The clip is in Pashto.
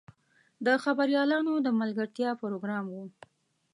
د خبریالانو د ملګرتیا پروګرام و.